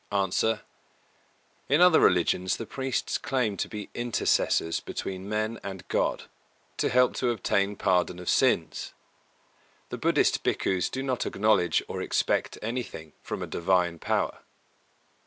_ A. In other religions the priests claim to be intercessors between men and God, to help to obtain pardon of sins; the Buddhist Bhikkhus do not acknowledge or expect anything from a divine power.